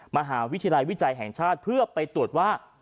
มหาวิทยาลัยวิจัยแห่งชาติเพื่อไปตรวจว่า